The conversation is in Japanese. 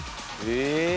え！